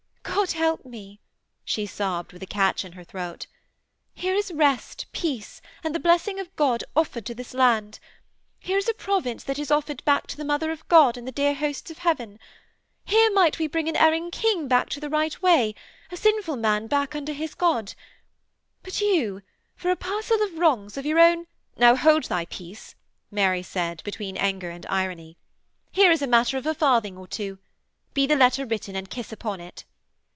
God help me!' she sobbed, with a catch in her throat. 'Here is rest, peace and the blessing of God offered to this land. Here is a province that is offered back to the Mother of God and the dear hosts of heaven. Here might we bring an erring King back to the right way, a sinful man back unto his God. But you, for a parcel of wrongs of your own....' 'Now hold thy peace,' Mary said, between anger and irony. 'Here is a matter of a farthing or two. Be the letter written, and kiss upon it.'